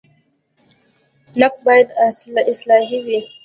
نقد باید اصلاحي وي